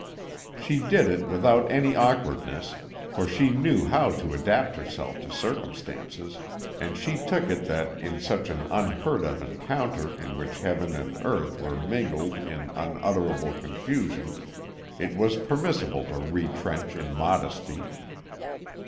She did it without any awkwardness, for she knew how to adapt herself to circumstances; and she took it that in such an unheard of encounter in which heaven and earth were mingled in unutterable confusion it was permissible to retrench in modesty.